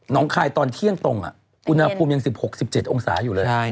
คายตอนเที่ยงตรงอุณหภูมิยัง๑๖๑๗องศาอยู่เลย